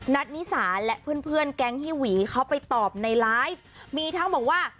นิสาและเพื่อนเพื่อนแก๊งฮีหวีเขาไปตอบในไลฟ์มีทั้งบอกว่า